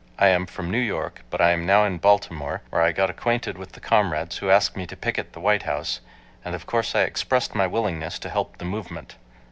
I am from New York, but am now in Baltimore, where I got acquainted with the comrades who asked me to picket the White House, and of course I expressed my willingness to help the movement.